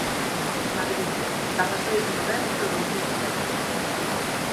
Madrid, dezaseis de novembro de dous mil sete.